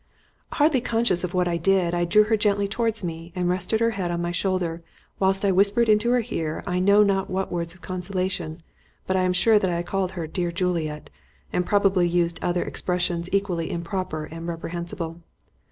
Hardly conscious of what I did, I drew her gently towards me, and rested her head on my shoulder whilst I whispered into her ear I know not what words of consolation; but I am sure that I called her "dear Juliet," and probably used other expressions equally improper and reprehensible.